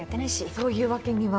そういうわけには。